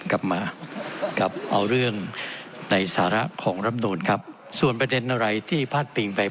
กลับมากลับเอาเรื่องในสาระของรำนูนครับส่วนประเด็นอะไรที่พาดปิงไป